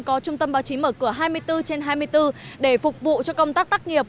có trung tâm báo chí mở cửa hai mươi bốn trên hai mươi bốn để phục vụ cho công tác tác nghiệp